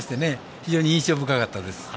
非常に印象深かったです。